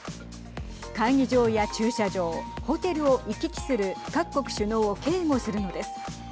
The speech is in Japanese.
会議場や駐車場ホテルを行き来する各国首脳を警護するのです。